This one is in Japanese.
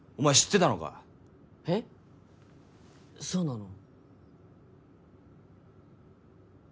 そうなの？